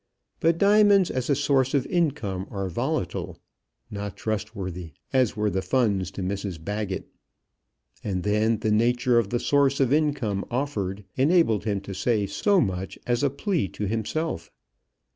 But diamonds as a source of income are volatile, not trustworthy, as were the funds to Mrs Baggett. And then the nature of the source of income offered, enabled him to say so much as a plea to himself.